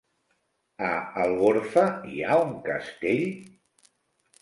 A Algorfa hi ha un castell?